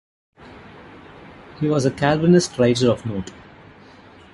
He was a Calvinist writer of note.